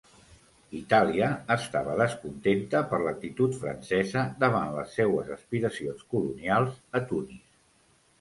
Itàlia estava descontenta per l'actitud francesa davant les seues aspiracions colonials a Tunis.